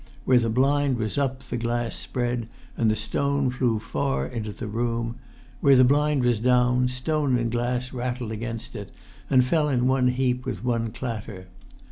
Where the blind was up, the glass spread, and the stone flew far into the room; where the blind was down, stone and glass rattled against it, and fell in one heap with one clatter.